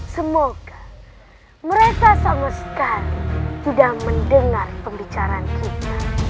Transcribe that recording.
semoga mereka sama sekali tidak mendengar pembicaraan kita